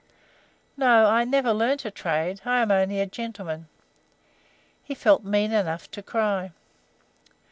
"No, I never learned a trade, I am only a gentleman." He felt mean enough to cry.